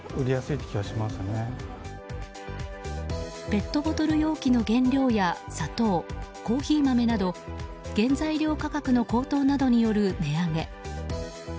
ペットボトル容器の原料や砂糖コーヒー豆など原材料価格の高騰などによる値上げ。